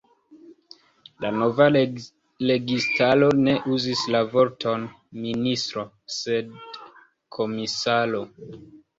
La nova registaro ne uzis la vorton „ministro”, sed komisaro.